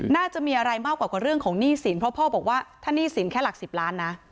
น่าจะมีอะไรมากกว่ากว่าเรื่องของหนี้สินเพราะพ่อบอกว่าถ้าหนี้สินแค่หลักสิบล้านนะ